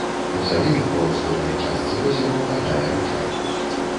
У заліў ва ўсходняй частцы возера ўпадае ручай.